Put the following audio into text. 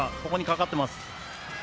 ここにかかってます。